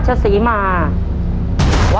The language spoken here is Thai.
ขอบคุณครับ